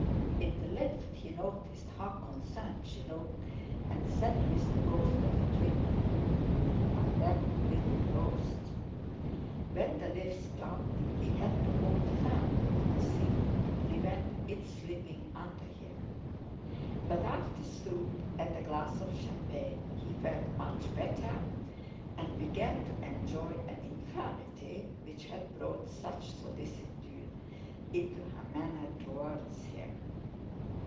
In the lift he noticed how concerned she looked, and said with the ghost of a twinkle: "I'm a pretty host." When the lift stopped he had to hold firmly to the seat to prevent its slipping under him; but after soup and a glass of champagne he felt much better, and began to enjoy an infirmity which had brought such solicitude into her manner towards him.